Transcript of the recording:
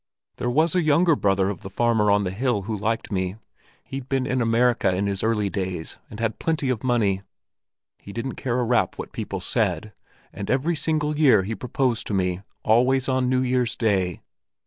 "There was a younger brother of the farmer on the hill who liked me. He'd been in America in his early days, and had plenty of money. He didn't care a rap what people said, and every single year he proposed to me, always on New Year's Day.